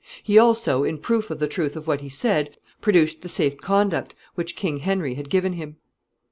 He also, in proof of the truth of what he said, produced the safe conduct which King Henry had given him.